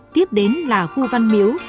tiếp đến là khu văn miếu